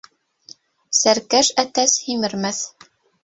Сәркәш әтәс һимермәҫ.